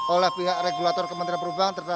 oleh pihak regulator kementerian perhubungan